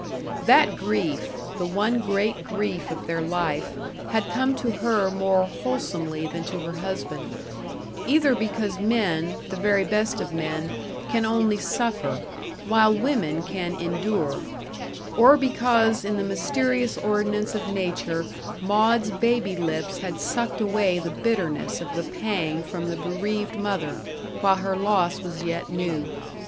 That grief the one great grief of their life, had come to her more wholesomely than to her husband: either because men, the very best of men, can only suffer, while women can endure; or because in the mysterious ordinance of nature Maud's baby lips had sucked away the bitterness of the pang from the bereaved mother, while her loss was yet new.